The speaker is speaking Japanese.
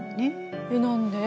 えっ何で？